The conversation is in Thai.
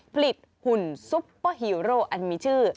หุ่นซุปเปอร์ฮีโร่อันมีชื่อ